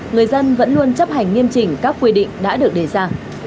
người dân vẫn luôn chấp hành nghiêm chỉnh các quy định đã được đề ra